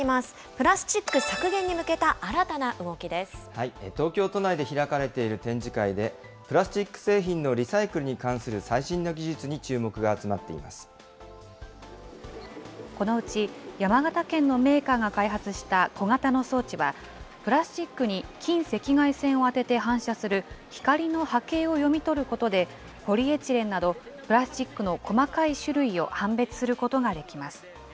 プラスチック削減に向けた新たな東京都内で開かれている展示会で、プラスチック製品のリサイクルに関する最新の技術に注目がこのうち、山形県のメーカーが開発した小型の装置は、プラスチックに近赤外線を当てて反射する光の波形を読み取ることで、ポリエチレンなど、プラスチックの細かい種類を判別することができます。